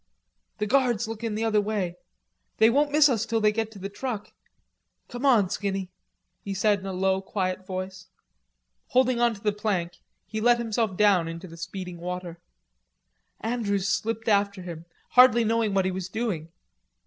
"The guard's lookin' the other way. They won't miss us till they get to the truck.... Come on, Skinny," he said in a low, quiet voice. Holding on to the plank, he let himself down into the speeding water. Andrews slipped after him, hardly knowing what he was doing.